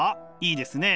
いいですね。